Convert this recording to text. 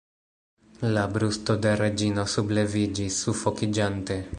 La brusto de Reĝino subleviĝis, sufokiĝante.